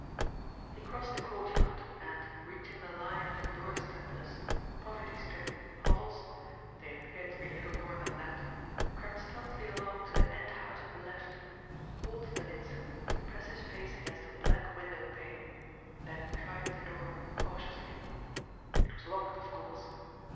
He crossed the courtyard, and, reaching the line of door stepless, poverty stricken hovels they appeared to be little more than that crept stealthily along to the end house at the left, halted an instant to press his face against a black window pane, then tried the door cautiously. It was locked, of course.